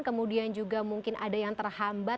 kemudian juga mungkin ada yang terhambat